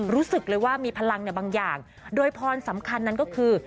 รู้สึกเลยว่ามีพลังในบางอย่างโดยพรสำคัญนั้นก็คือ